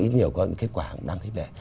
ít nhiều cái kết quả đáng thích vẻ